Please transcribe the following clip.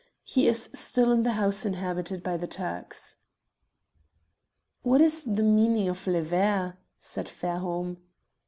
He is still in the house inhabited by the Turks." "What is the meaning of 'Le Ver'?" said Fairholme.